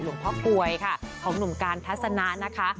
หลวงพ่อกลวยค่ะของหนุ่มการทัศนะนะคะ